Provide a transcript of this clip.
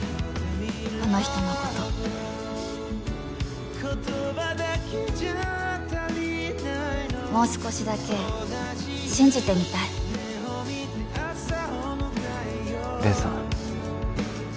この人のこともう少しだけ信じてみたい黎さん